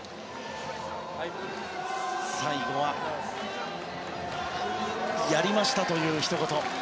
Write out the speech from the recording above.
最後はやりましたというひと言。